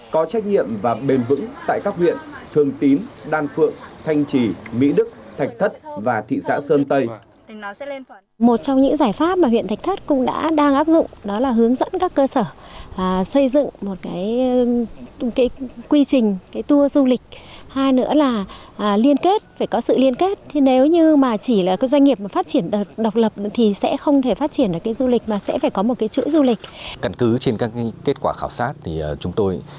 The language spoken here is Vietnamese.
có trách nhiệm và bền vững tại các huyện thường tím đan phượng thanh trì mỹ đức thạch thất và thị xã sơn tây